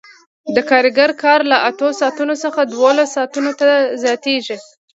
د کارګر کار له اتو ساعتونو څخه دولسو ساعتونو ته زیاتېږي